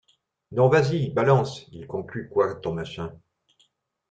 Non, vas-y balance, il conclut quoi ton machin?